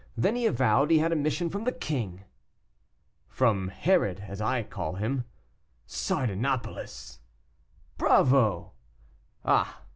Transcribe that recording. Then he avowed he had a mission from the king!" "From Herod, as I call him." "Sardanapalus." "Bravo!" "Ah!